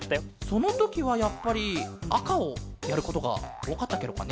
そのときはやっぱりあかをやることがおおかったケロかね？